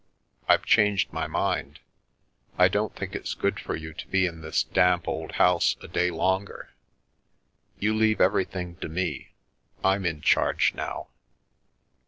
" I've changed my mind. I don't think it's good for you to be in this damp old house a day longer. You leave everything to me. I'm in charge now."